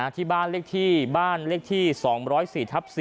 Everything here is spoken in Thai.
ที่บ้านเลขที่บ้านเลขที่๒๐๔ทับ๔